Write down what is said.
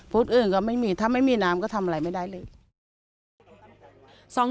อื่นก็ไม่มีถ้าไม่มีน้ำก็ทำอะไรไม่ได้เลย